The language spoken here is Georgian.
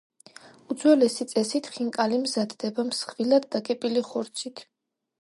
უძველესი წესით ხინკალი მზადდება მსხვილად დაკეპილი ხორცით.